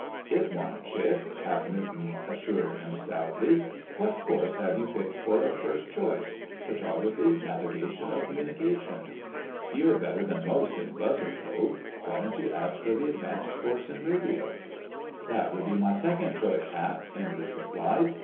"It won't, Chick," Hap Newton assured him stoutly. "What course have you picked for a first choice—Photography, Navigation, or Communications? You're better than most in 'buzzer' code. Why don't you ask for the advanced course in radio?" "That would be my second choice, Hap," Enders replied.